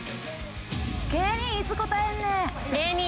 芸人いつ答えんねん？